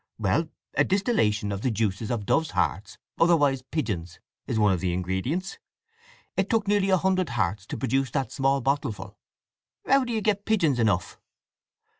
"Well—a distillation of the juices of doves' hearts—otherwise pigeons'—is one of the ingredients. It took nearly a hundred hearts to produce that small bottle full." "How do you get pigeons enough?"